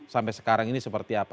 sampai sekarang ini seperti apa